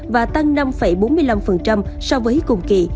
và tăng năm bốn mươi năm so với cùng kỳ